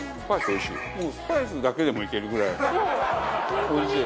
スパイスだけでもいけるぐらいおいしい。